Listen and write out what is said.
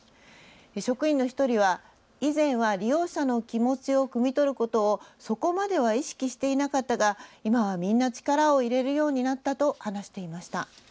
職員の１人は以前は利用者の気持ちをくみ取ることをそこまでは意識していなかったが今はみんな力を入れるようになったと話していました。